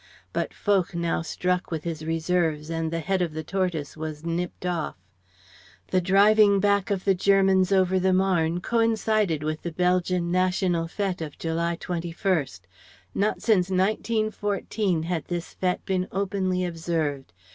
But Foch now struck with his reserves, and the head of the tortoise was nipped off. The driving back of the Germans over the Marne coincided with the Belgian National Fête of July 21. Not since 1914 had this fête been openly observed.